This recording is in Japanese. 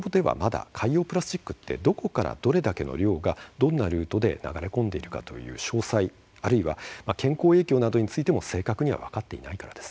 海洋プラスチック、どこからどれだけの量がどんなルートで流れ込んでいるかという詳細あるいは健康影響などについても正確には分かっていないからです。